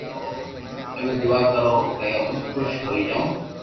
تمي دعا ڪرو ڪي ھون خوݾ ھوئي جاو